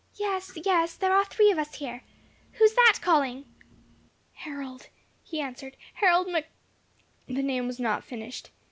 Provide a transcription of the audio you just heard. "Yes, yes, there are three of us here. Who is that calling?" "Harold," he answered, "Harold Mc ." The name was not finished.